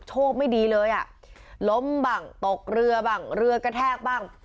โชคไม่ดีเลยอ่ะล้มบ้างตกเรือบ้างเรือกระแทกบ้าง